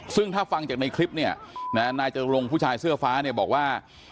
ซึ่งถ้าฟังจากในคลิปเนี่ยนายจรงผู้ชายเสื้อฟ้าเนี่ยบอกว่า